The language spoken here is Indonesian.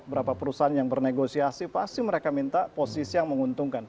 berapa perusahaan yang bernegosiasi pasti mereka minta posisi yang menguntungkan